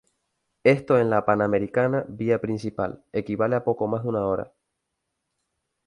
Esto en la Panamericana, vía principal, equivale a poco más de una hora.